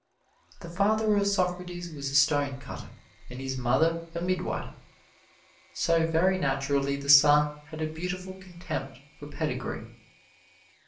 The father of Socrates was a stonecutter and his mother a midwife, so very naturally the son had a beautiful contempt for pedigree.